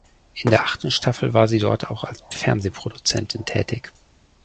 In der achten Staffel war sie dort auch als Fernsehproduzentin tätig.